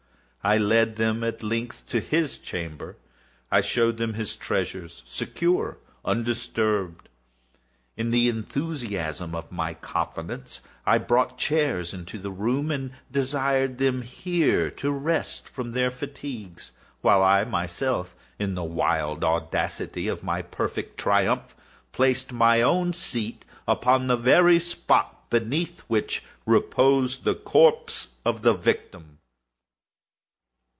I led them, at length, to his chamber. I showed them his treasures, secure, undisturbed. In the enthusiasm of my confidence, I brought chairs into the room, and desired them here to rest from their fatigues, while I myself, in the wild audacity of my perfect triumph, placed my own seat upon the very spot beneath which reposed the corpse of the victim.